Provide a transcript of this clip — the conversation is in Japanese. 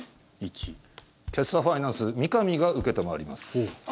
キャスターファイナンス三上が承ります。